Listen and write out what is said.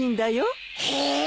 へえ！